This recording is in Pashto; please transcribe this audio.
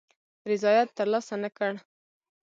رضاییت تر لاسه نه کړ.